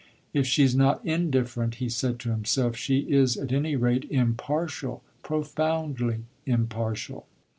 "If she 's not indifferent," he said to himself, "she is, at any rate, impartial profoundly impartial."